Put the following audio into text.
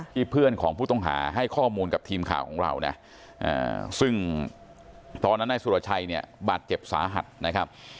เพื่อนของผู้ต้องหาให้ข้อมูลกับทีมข่าวของเรานะซึ่งตอนนั้นนายสุรชัยเนี่ยบาดเจ็บสาหัสนะครับ